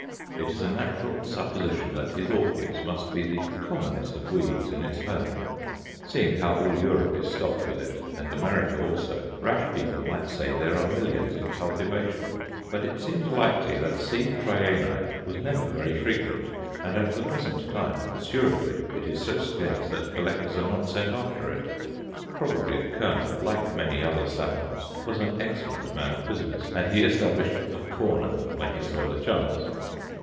It is a natural supposition that his orchid must be the commonest of weeds in its home; seeing how all Europe is stocked with it, and America also, rash people might say there are millions in cultivation. But it seems likely that C. Trianæ was never very frequent, and at the present time assuredly it is so scarce that collectors are not sent after it. Probably the colonel, like many other savants, was an excellent man of business, and he established "a corner" when he saw the chance.